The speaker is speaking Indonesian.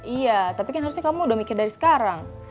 iya tapi kan harusnya kamu udah mikir dari sekarang